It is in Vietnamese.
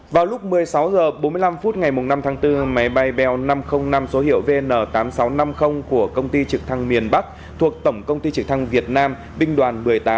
vào lúc một mươi sáu h bốn mươi năm phút ngày năm tháng bốn máy bay bel năm trăm linh năm số hiệu vn tám nghìn sáu trăm năm mươi của công ty trực thăng miền bắc thuộc tổng công ty trực thăng việt nam binh đoàn một mươi tám